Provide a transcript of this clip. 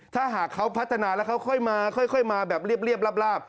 ถ้าหากเขาพัฒนาแล้วเขาค่อยมาค่อยมาแบบเรียบลาบ